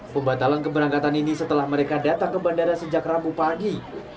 pembatalan keberangkatan ini setelah mereka datang ke bandara sejak rabu pagi